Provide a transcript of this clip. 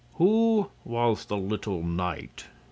"Who was the little knight?"